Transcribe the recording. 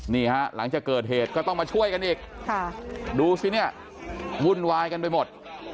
หลังจากเกิดเหตุก็ต้องมาช่วยกันอีกดูสิเนี่ยวุ่นวายกันไปหมด